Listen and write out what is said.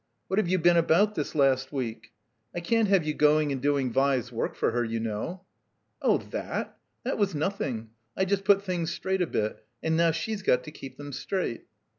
What have you been about this last week? I can't have you going and doing Vi's work for her, you know." "Oh ihatl That was nothing. I just put things straight a bit, and now she's got to keep them straight."